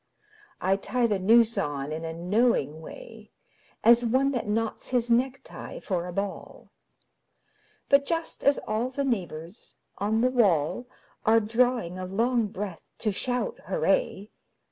I tie the noose on in a knowing way As one that knots his necktie for a ball; But just as all the neighbours on the wall Are drawing a long breath to shout 'Hurray!'